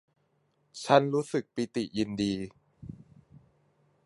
ฉันรู้สึกปิติยินดี